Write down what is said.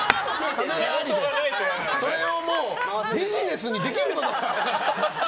それはもうビジネスにできると。